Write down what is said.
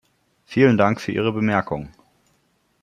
Vielen Dank für Ihre Bemerkung.